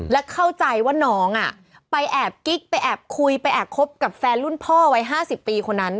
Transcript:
และเข้าใจว่าน้องไปแอบกิ๊กไปแอบคุยไปแอบคบกับแฟนรุ่นพ่อวัย๕๐ปีคนนั้น